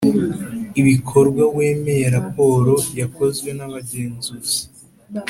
ibikorwa wemeye raporo yakozwe n abagenzuzi